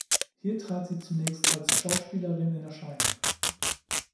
Hier trat sie zunächst als Schauspielerin in Erscheinung.